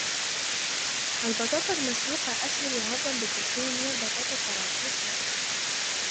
البطاطا المسلوقة أسهل هضما بكثير من بطاطا التراكوتا.